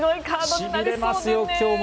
しびれますよ、今日も。